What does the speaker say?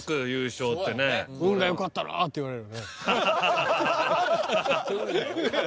運がよかったなって言われるよね